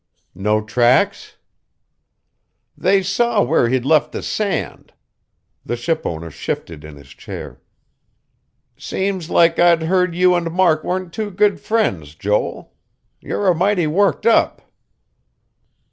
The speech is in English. "No tracks?" "They saw where he'd left the sand." The ship owner shifted in his chair. "Seems like I'd heard you and Mark wa'n't too good friends, Joel. Your a'mighty worked up."